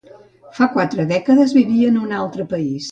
Fa quatre dècades vivia en un altre país.